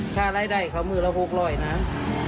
ถ้ารายได้เขามือละ๖๐๐นะ